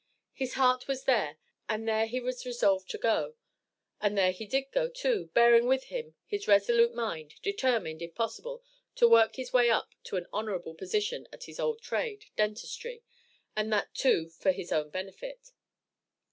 His heart was there, and there he was resolved to go and there he did go too, bearing with him his resolute mind, determined, if possible, to work his way up to an honorable position at his old trade, Dentistry, and that too for his own benefit.